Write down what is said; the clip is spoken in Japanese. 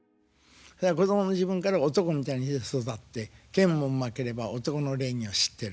子供の時分から男みたいにして育って剣もうまければ男の礼儀を知ってる。